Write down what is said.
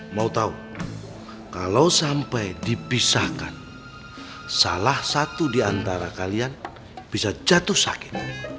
mau tau kalau sampai dipisahkan salah satu diantara kalian bisa jatuh sakit